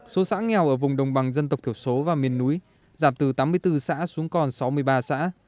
số xã nghèo ở vùng đồng bằng dân tộc thiểu số và miền núi giảm từ tám mươi bốn xã xuống còn sáu mươi ba xã